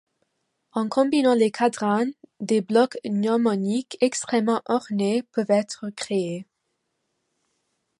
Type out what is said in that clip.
En combinant les cadrans, des blocs gnomoniques extrêmement ornés peuvent être créés.